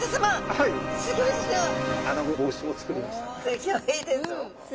すギョいです。